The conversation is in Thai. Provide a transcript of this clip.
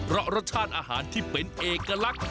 เพราะรสชาติอาหารที่เป็นเอกลักษณ์